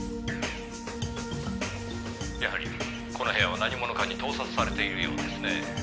「やはりこの部屋は何者かに盗撮されているようですねぇ」